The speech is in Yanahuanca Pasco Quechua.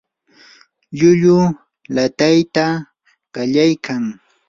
llulluu laatayta qallaykan.